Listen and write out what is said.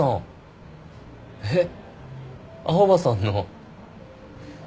えっ青羽さんの。